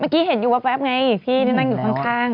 เมื่อกี้เห็นอยู่แวบไงอีกพี่นั่งอยู่ข้าง